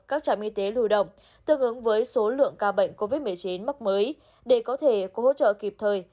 các trạm y tế lưu động tương ứng với số lượng ca bệnh covid một mươi chín mắc mới để có thể có hỗ trợ kịp thời